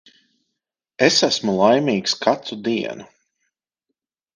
Es esmu laimīgs katru dienu.